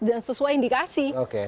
dan sesuai indikasi